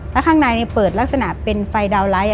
แล้วข้างในเปิดลักษณะเป็นไฟดาวนไลท์